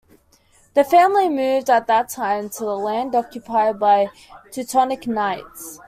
This family moved at that time to the land occupied by Teutonic Knights.